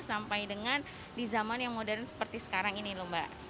sampai dengan di zaman yang modern seperti sekarang ini lho mbak